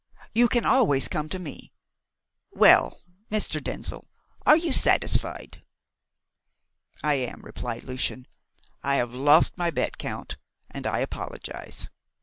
"You can always come to me. Well, Mr. Denzil, are you satisfied?" "I am," replied Lucian. "I have lost my bet, Count, and I apologise.